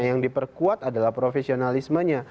yang diperkuat adalah profesionalismenya